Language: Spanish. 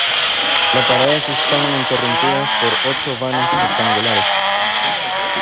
La paredes están interrumpidas por ocho vanos rectangulares.